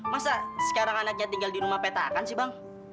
masa sekarang anaknya tinggal di rumah petakan sih bang